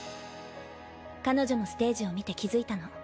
彼女のステージを見て気付いたの。